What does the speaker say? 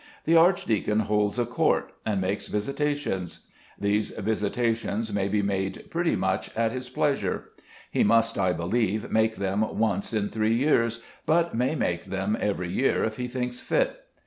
The archdeacon holds a court, and makes visitations. These visitations may be made pretty much at his pleasure. He must, I believe, make them once in three years, but may make them every year if he thinks fit.